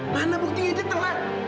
mana buktinya dia telat